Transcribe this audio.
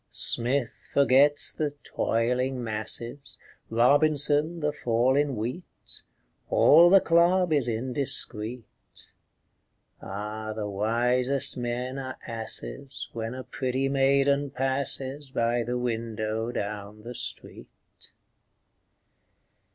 Smith forgets the "toiling masses," Robinson, the fall in wheat; All the club is indiscret. Ah, the wisest men are asses When a pretty maiden passes By the window down the street!